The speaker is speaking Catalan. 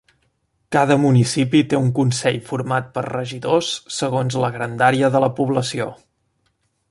Cada municipi té un consell format per regidors segons la grandària de la població.